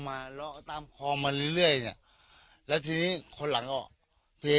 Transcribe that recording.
เลาะตามคลองมันเรื่อยเนี้ยแล้วทีนี้คนหลังก็เท